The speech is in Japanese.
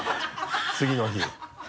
次の日。